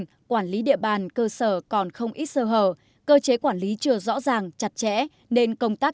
quản lý địa bàn cơ sở còn không ít sơ hờ cơ chế quản lý chưa rõ ràng chặt chẽ nên công tác